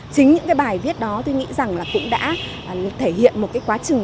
chính những cái bài viết đó tôi nghĩ rằng là cũng đã thể hiện một cái quá trình